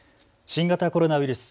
新型コロナウイルス。